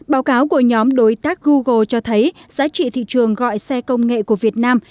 báo cáo của nhóm đối tác google cho thấy giá trị thị trường gọi xe công nghệ của việt nam